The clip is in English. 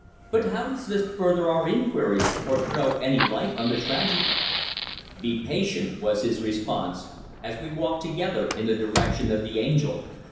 "But how does this further our inquiries, or throw any light on the tragedy?" "Be patient," was his response, as we walked together in the direction of the Angel.